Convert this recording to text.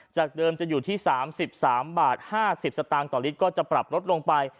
จากเดิมจะอยู่ที่๓๓บาท๕๐สตางค์ต่อลิตรก็จะปรับลดลงไป